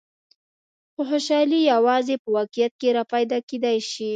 خو خوشحالي یوازې په واقعیت کې را پیدا کېدای شي.